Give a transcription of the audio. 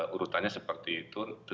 urutannya seperti itu